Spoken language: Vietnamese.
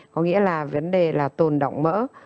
có nghĩa là vấn đề là tồn động mỡ